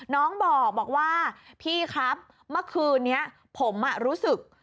น้องบอกว่าพี่ครับเมื่อคืนนี้ผมรู้สึก